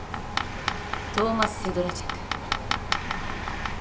「トーマス・セドラチェク」